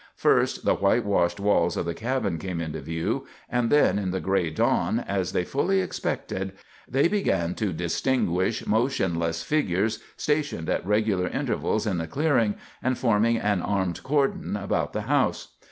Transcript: First the whitewashed walls of the cabin came into view, and then, in the gray dawn, as they fully expected, they began to distinguish motionless figures stationed at regular intervals in the clearing, and forming an armed cordon about the house.